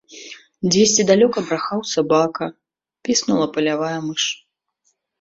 Дзесьці далёка брахаў сабака, піснула палявая мыш.